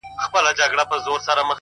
پوه انسان د زده کړې پای نه ویني؛